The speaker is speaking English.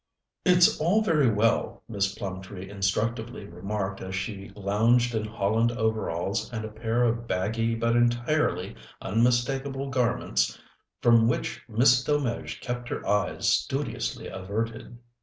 "It's all very well," Miss Plumtree instructively remarked as she lounged in holland overalls and a pair of baggy but entirely unmistakable garments from which Miss Delmege kept her eyes studiously averted.